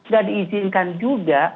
gak diizinkan juga